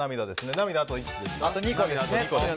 涙あと２個です。